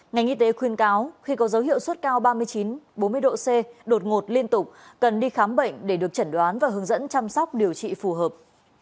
ngành y tế khuyên cáo khi có dấu hiệu suất cao ba mươi chín bốn mươi độ c đột ngột liên tục cần đi khám bệnh để được chẩn đoán và hướng dẫn chăm sóc điều trị phù hợp